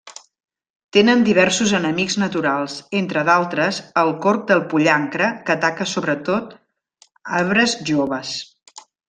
Tenen diversos enemics naturals, entre d'altres el corc del pollancre que ataca sobretot arbres joves.